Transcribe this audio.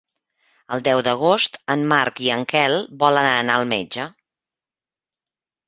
El deu d'agost en Marc i en Quel volen anar al metge.